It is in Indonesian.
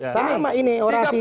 sama ini orasinya